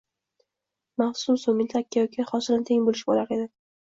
Mavsum so`ngida aka-uka hosilni teng bo`lishib olar edi